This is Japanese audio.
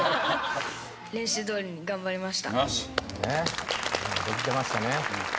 練習どおりに頑張りました。